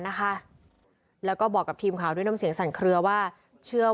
พอสำหรับบ้านเรียบร้อยแล้วทุกคนก็ทำพิธีอัญชนดวงวิญญาณนะคะแม่ของน้องเนี้ยจุดทูปเก้าดอกขอเจ้าทาง